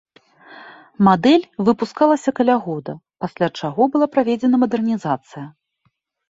Мадэль выпускалася каля года, пасля чаго была праведзена мадэрнізацыя.